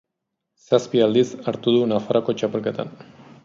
Zazpi aldiz parte hartu du Nafarroako txapelketetan.